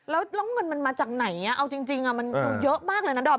แล้วเงินมันมาจากไหนเอาจริงมันเยอะมากเลยนะดอม